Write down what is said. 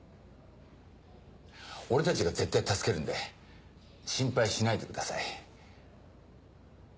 俺たちが絶対助けるんで心配しないでください。